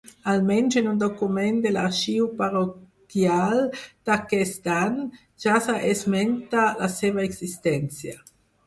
Almenys en un document de l'Arxiu Parroquial d'aquest any ja s'esmenta la seva existència.